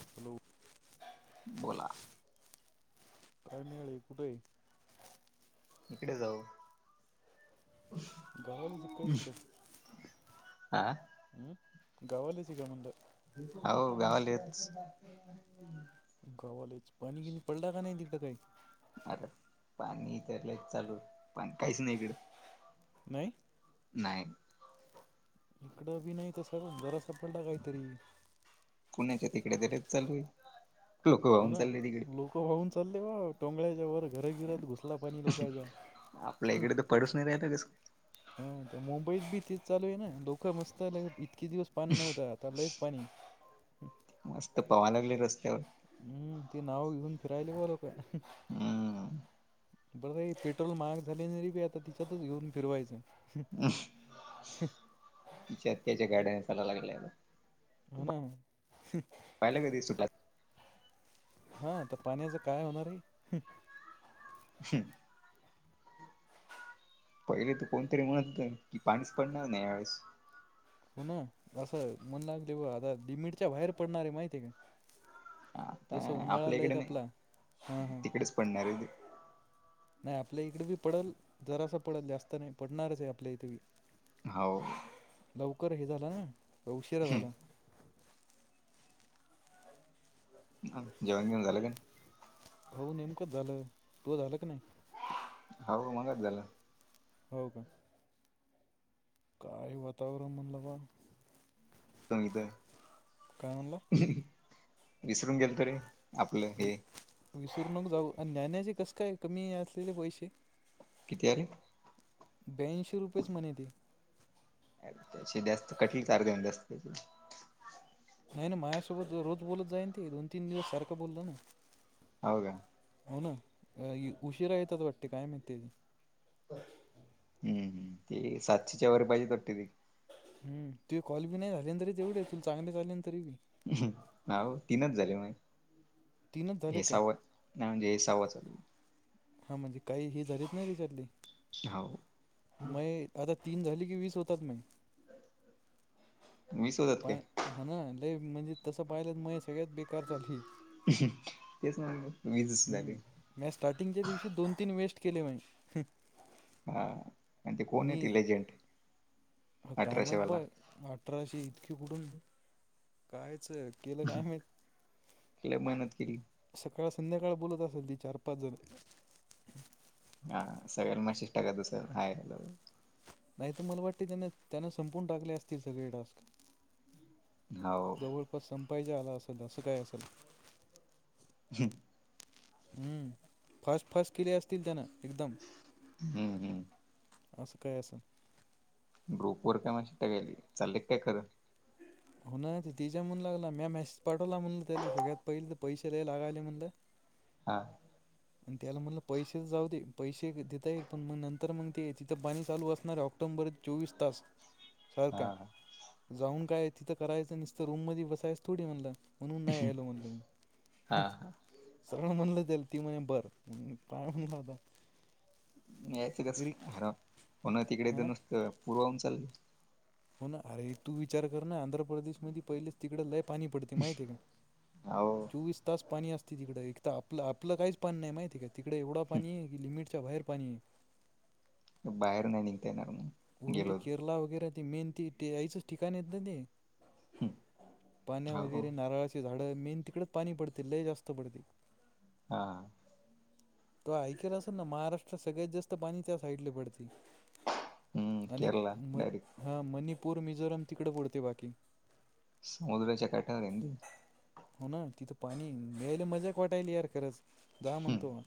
Hello बोला काय मिळी कुठे इकडे जाऊ [unintelligible] हा हम् गाव वालीच आहे का म्हणलं हो गाववालीच गावालाच पाणी कि पडलं का नाही तिकडं काही अरे पाणी केल चालू पाणी काहीच नाही इकडं नाही नाहीय.. इकडं बी नाही तस म्हणलं जरासा पडला काहीतरी पुण्याच्या तिकडे तर लयच चालू... लोक हो वाहून ना चालले तिकडे लोक व्हावून चालले बा टोंगळच्या वर... घराघरात घुसला पाणी लोकायचा... आपल्या इकडे तर पडूच नाही राहिला कस हा मुंबईत बी तिच... चालू आहे ना लोकं मस्त आ इतके दिवस पाणी नव्हतं आता लयच पाणी... मस्त पोहायला लागले रस्त्यावर... हम्म ते नाव घेऊन फिरायले बर पण... हम्म बरं पेट्रोल महाग झाले तरी बी आता तिच्यातच घेऊन फिरवायचं... त्याच्या गाड्यान लावला लागले... पाहिलं कधी सुटला होना. हा तर पाण्याच काय होणार आहे? हम्म पहिले तर कोणतरी म्हणत की पाणीच पडणार नाही यावेेळेस. हो ना असं म्हण ला तेव आता लिमिटच्या बाहेर पडणार आहे माहितीय आहे का. आता जसं उन्हाळा आपल्या इकडे लयत आपला नाही हां हां तिकडेच पडणार आहे ते. नाही आपल्या इकडे बी पडेल जरासा पडेल जास्त नाही पडणारच आहे आपल्या इथे बी. हाव लवकर हे झालं ना उशिरा झाला. ह जेवण घेऊन झालं का नाही? हो नेमकच झालं. तू झालं का नाही? हो मगच झालं.... हो का? काय वातावरण म्हणलं बा.... त म इ तरय काय म्हणला विसरून गेल तर रे.... आपलं हे.... विसर मग जाऊयाचे कसं काय कमी असलेले.. अर.. ब्यांशी रुपयेच म्हणे ते.... अ त्या जास्त कटण कारगण जास्त त्या.... नाही ना माझसोबत रोज बोलत जाईन ते दोन तीन दिवस सारखं बोललं ना.... हो का... हो ना उशीरा येतात वाटते काय माहिती.... हम्म हम ती सातशेच्या वारी पाहिजे त वाटते ती.... हम तू कॉल बी नाही झांले तरी तेवढे तु चांगले झाले.... तरी बी ना तीनच झाले माझे.... तीनच झाले काय हेसावात नाही म्हणजे हेसावाच... हा म्हणजे काही ही झालीत नाही तिच्यातली.... हो... आता तीन झाली की वीस होतात नाही.... वीस होतात काय? म्हणजे तसं पाहिलं मग सगळ्यात बेकार चाल... तेच ना.... वीस झाले हम्म म्या स्टार्टिंगच्या दिवशी दोन तीन वेस्ट केले माहिती हा... आणि ते कोण मी आहे ते लेजंट अठराशे कायमत ब वाला अठराशे इतकी कुठून... कायच केलं काय माहित... तिला मेहनत केली सकाळ संध्याकाळ बोलत तिचा चार पाच जाण.... हा सगळ्यांला मशिष्ट टाका दुसर हाय.... नाही तर मला वाटते त्या त्याना संपून टाकले असतील सगळे टास्क.... हो जवळपास संपायच आला असेल असं काय असेल.... हम्म हम्म फास्ट -फास्ट केले असतील त्यानं एकदम. हम्म हम्म अस काय असल ग्रुप वर काय माशी -टाकायली चाललेत काय खरं. हो ना ते तेज्या म्हणून लागला मी मेसेज पाठवला म्हण त्या सगळ्यात पहिले तर पैसे लै लागाले म्हणलं. हा आणि त्याला म्हणलं पैशे जाऊ दे पैशे देता येईल पण मग नंतर मग ते तिथं पाणी चालू असणार आहे ऑक्टो नंबर चोवीस तास. खर हा का जाऊन काय तिथं करायचं नसत रूम मध्ये बसायचं थोडी म्हणलं. म्हणून नाही आलो म्हणल म हा सगळ म्हणल तेल... ती म्हण बर काय म्हणता.. यायचं कसर हो ना तिकडे तर हां नुसतं पूर्वहन चालल... हो ना अरे तू विचार कर ना आंध्र प्रदेश मध पहिलेच तिकड ललेफ... पाणी पडते माहिती आहे का हो चोवीस तास पाणी अस.. तिकडे एक तर आपलं आपलं काहीच पाणी नाही माती काे तिकडे एवढं पाणी आहे की लिमिट... अच्छा बाहेरपनी... बाहेर नाही निघता येणार मग वरून ते गेलो केरला वगैरे त मेन ती यायचेच ठिकाण येत ना ते पाण्या हो वगैरे नारळाची झाड मेन तिकडे पाणी पडते लय जास्त पडते हा तो ऐकत असेल ना महाराष्ट्रात सगळ्यात जास्त पाणी त्या साईड ला पडते हम्म आणि केरला म डायरेक्ट -हा -मणिपूर, मिझोरम तिकडे पुडते बाकी समुद्राच्या काठावर आहे ना ते हो ना तिथं पाणी मि्यायला मजाक वाटायली यार खरंच जा ते म्हणतो [inaudible]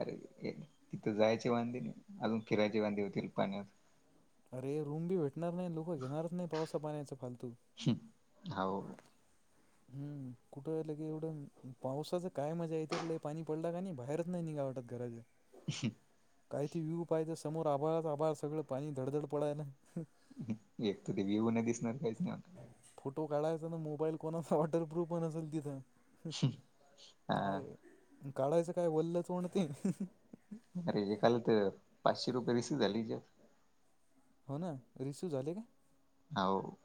अरे तिथं जायचे वांदे नाही अजून फिरायचे वांदे होतील पाण्यात अरे रूम बी भेटणार नाही लोकं घेणारच नाही पावसा पाण्याचं पण हम्म हो हम्म कुठंलं की एवढं पावसाचं काय मजा येत ल पाणी पडला का नाही बाहेरच नाही निघा वाटतं घराच्या शित काही त व्यू पाहिजं समोर आभाळ आभाळ, सगळं पाणी धडधड पडायला. ह... एक तर ते व्हव नाही दिसणार काहीच नाही आता [inaudible] फोटो काढायचा ना मोबाईल, कोणाचा वटर्रूफ पण असेल तिथं. हा. काय काढायचं काय वल्लच कोणते [inaudible] अरे एकला तर पाचशे रुपये, रिसिव्ह झाली हेजात. हो ना, रिसिव्ह झाले का? ह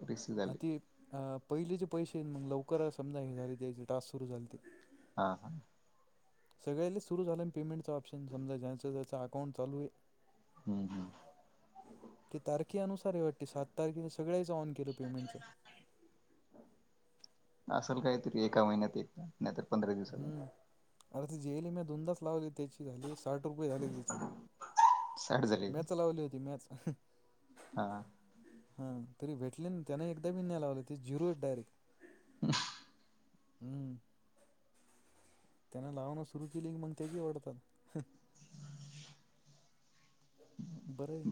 रिसिव्ह अ, झाली. ते अ, पहिलेचे पैसे मग लवकर समजा, हे झाली त्या टास्क सुरू झाली ते. हा हा सगळ्या सुरू झाल्याने पेमेंटच, ऑप्शन समजा ज्यांच ज्यांच अकाउंट चालू आहे. हम्म हम्म. नुसार हे वाटते सात तारखे, सगळ्याच ऑन केलं पेमेंटच. असल काय तुरी एका महिन्यात, एक नाहीतर पंधरा दिवसले. अर ती जेली मी दोनदाास, लावली त्याची झाली. साठ रुपये झाले, तिची साठ झाले मॅच लावली होती मॅच हा हा तरी भेटले त्यांना एकदा बिन्याय, लावले ते ज झिरो आहेत डायरेक्ट. हम. हम्म. त्याना लावणं सुरू केली की मग ते की आवडतात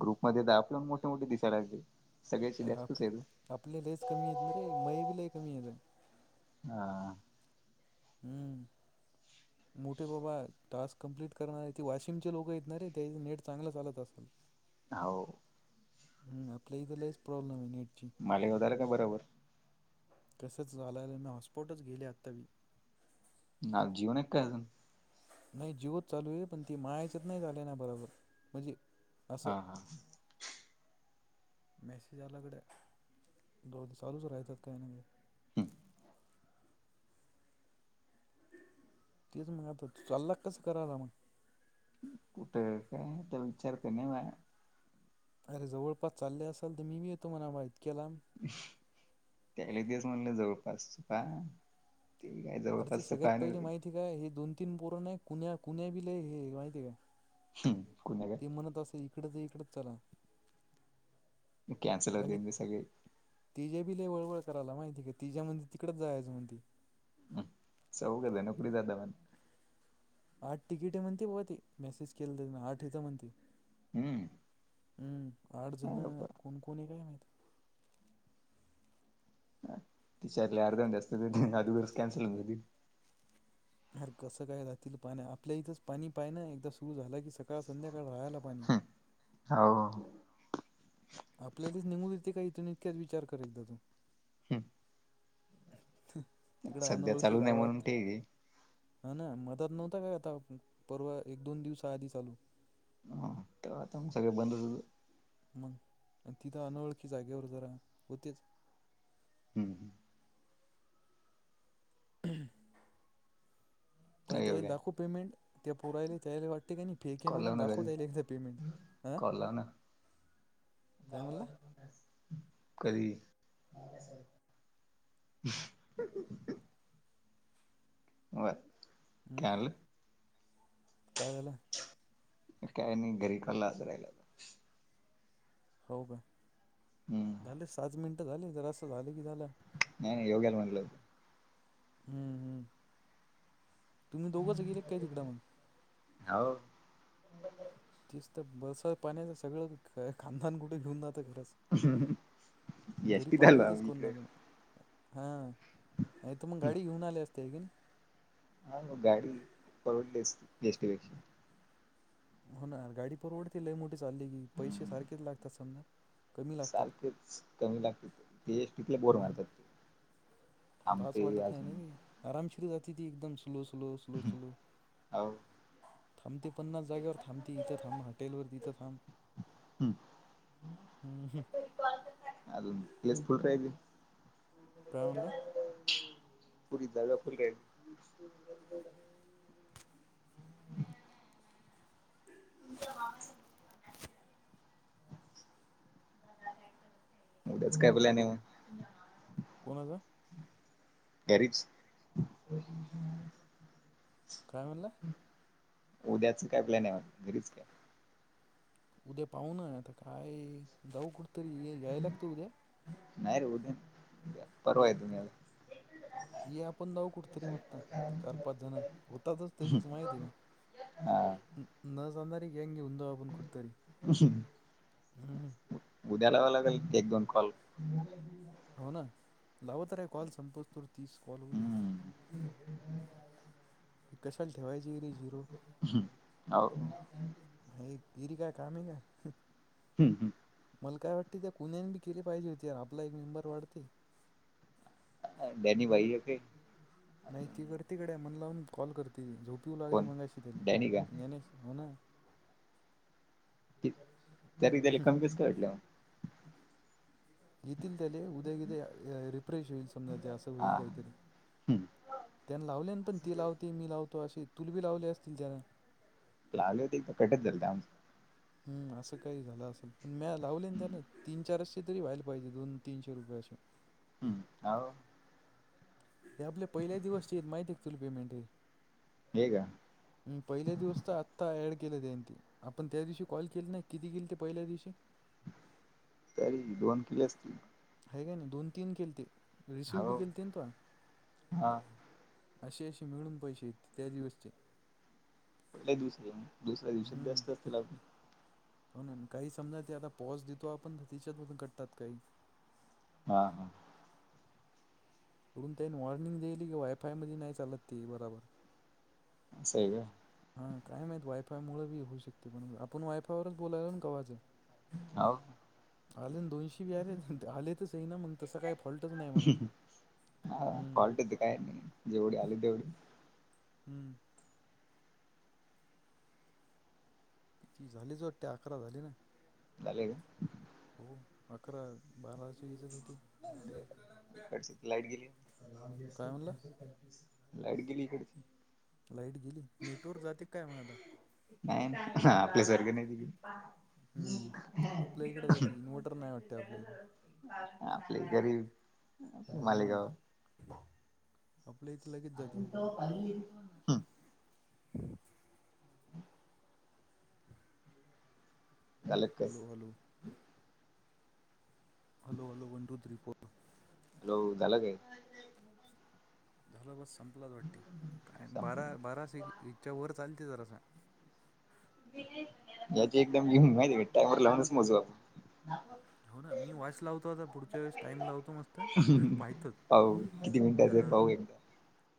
ग्रुप मध्ये द आपल्या मोठे मोठे दिसायला लागले सगळ्याचे आप जास्तच आहेत. आपले लच कमी येत ना रे मय ब लय कमी येत आहे हा हम्म मोठे बाबा टास्क कंप्लीट करणारे ते वाशिमचे लोक येतणार रे त्याच नेट चांगलं चालत असाल हो हम् आपल्या इलाच प्रॉब्लेम आहे मालिक होताार का बरोबर कसच झालं मी, हॉस्पॉटच गेले आता बी ना जीवन एक कायजन, नाही जीवत चालू आहे. पण ते माझ्या हेचात, नाही चाले ना बरोबर म्हणजे. असं हा हा ह. मेसेज आल्याकडे जोड, चालूच राहायतात काय म्हजे हम्म. तेच मग आता, चालला कसं कराला मग. कुठे काय तर विचारत नाही म अरे जवळपास चालले असाल तर मी बी येतो म्हणा मा इतक्याला त्याले दिवस म्हणले जवळपास का अरे ती सगळ्यात पहिली माहिती काय हे दोन तीन पोरण आहे कुण्या कुण्या बिल आहे हे माहिती काय हम्म कुण्या काय ते म्हणत अस इकडच इकडच चला कॅन्सल होतेी सगळे तिजे बिले वळवळ करायला माहिती का तिच्या्या म्हण तिकच जायचं म्हणती चौघ झण कुठ जाता मग आठ तिकीट आहे म्हणते ब ते मेसेज केलं त्या आठ इथं म्हणते हम्म हम्म आठ अरे जण बा कोण कोोणी काय माहित ती शर्ट ला अर्धा जा असत अजूबरच कॅन्सल होऊन अर कसं काय राातील पाणी आपल्या इथंच पाणी पाय ना एकदा सुरू झाला की सकाळ संध्याकाळी हम हो आपल्यालाच निघून येते का इथून इतक्याच विचार कर एकदा तू हम् तिकडं अनोळखी चालू नाही म्हणून गावात ठीक आहे. हा ना मदत नव्हता काय आता परवा एक दोन दिवसा आधी चालू हा आता मग सगळे बंद हो मग तिथं अनोळखी जागेवर जरा होतेच हम्म पण त्या वेळी योग्या दाखो पेमेंट त्या पुराले त्याला वाट प्र ठिकाणी फेके कॉल लाव म्हणून ना घरी दाखवता येईल एकदा पेमेंट अ कॉल लाव ना [inaudible] कधी ब हं? काय झाल काय झाल काय नाही घरी क्लास आहे हो का हम्म झाले सात मिनिट झाली जरा असं झालं की झालं नाही योग्याला म्हणलं हम्म हम्म तुम्ही दोघंच गेले काय तिकड म्हण हो बस पाण्याच सगळं कांदान कुठे घेऊन जात एष्टितलवा इकडे हा नाही तर मग गाडी घेऊन आली असते की नाही. हा मग गाडी पवडली अस बेष्टीपेक्षा होणार गाडी परवडते लय मोठी चालली की पैसे सारखेच लागतात समजा. कमी लागतात सारखेच कमी लागतील. ते तिथले बोर हम्म मारतात ते थांबते अजून क ज ती एकदम स्लो स्लो स्लो स्लो हो थांबते पन्नास जागेवर थांबते इथं थांब हॉटेलवर तिथं थांब. हम्म ह. अजून प्लस फुल राहिज काय म्हणला. फुले दारात फुललेत. [inaudible] उद्याच काय हॅलो प्लॅन आय हॅलो म? कोणाचा घरीच. काय म्हणला? उद्याच काय प्लॅन आहे म घरीच काय? उद्या पाहुं ना आता काय जाऊ कुठ तरी यायला लागत उद्या? नाही रे उद्या परवा येतो मी ये आपण जाऊ कुठतरी मस्त चार पाच जण होतातच तशी माहिती आहे हा का? नज [unintelligible] गँग घेऊन जाऊ आपण कुठ तरी. उद्या लावा लागल एक दोन कॉल. हो ना लावत राय कॉल संपत स्तोर तीस कॉल हो दे. हम्म क कसाल ठेवायं? हाव. हे गिरी काय काम ये का? हम्म हम्म. मला काय वाटते त्या कुण्याने बी केली पाहिजे होती आपला एक मेंबर वाढते. बनी भाई आहे काय? नाही ती करती गड्या मण लावून कॉल करती ती झोप इउ लागली कोण मंगाशी ती. डॅनी का ज्ञानेश हो ना? ती तरी त्यारी कमीच कटल्या? हुतील त्याले उद्या गिद्या रिफ्रेश होईल समजा ते असं होईल हा काहीतरी. हम्म त्यान लावल्यान पण ती लावते मी लावतो असे तुलबी लावले असतील त्यान? लावले होते कटच झालत आमचं. हम असं काही झालं असंन म्या लावलेन त्यान हम्म तीन चारशे तरी व्हायला पाहिजे दोन तीनशे रुपया. [inaudible] हम्म हाव. हे आपले पहिल्या दिवसचे हेत माहिती तुली पेमेंट हे. हे का हम् पहिले दिवस तर आत्ता ऍड केलं तेंते आपण त्या दिवशी कॉल केल नाय किती केलते पहिल्या दिवशी? तरी दोन किले असतील. हाय कणी दोन तीन केलते रिसिव बी हो केलतेन तुआन. हा असे अशी मिळून पैसे येते त्या दिवसचे. त्या दिवशी दुसऱ्या दिवशीत हम्म जास्त असतील आपले. हो न काही समजा ते आता पॉस देतो आपण तिच्यातून कटतात काही. हा हा. वरून त्यानी वॉर्निंग देली की वायफाय मध्ये नाही चालत ते बरबर. असं हाय का? हा काय माहीत वायफाय मुळ बी होऊ शकत पण आपण वायफायवरच बोलायला न कवाच्यान. हाव. आले दोनशे बी आले आलेत सई ना मग तसं काय फॉल्टच नाही म्हणा हा हम्म फॉल्ट ते काय नाही. जेवढी आले तेवढी हम्म. ती झालीत वाटतं अकरा झाली ना? झाले का? हो अकरा बाराच्या हिच्यात होती इकडची लाईट गेली. काय म्हणला लाईट गेली इकडची. लाईट गेली नेटवर्क जाते काय म आता? हा आपल्यासारख नाही दि हम आपल्या इन्व्हर्टर नाही वाटत. आपल्या इथ. आपले गरीब हम्म मालेगाव आपल्या इथे लगेच जाते दो पालीत ह. [unintelligible] घालक कस. Hello hello hello hello one two three four hello झालं. काय? झालं बस संपलाच वाटते कारण बारा बारा स हच्या वर चाल. ते जरा सा याची एकदम येऊन टायमर लावूनच मोजाव. हो ना मी वाॉईस लावतो. आता पुढच्या वेळेस टाईम लावतो. नुसता माहित न पाहू किती मिनिटाच पाहूया.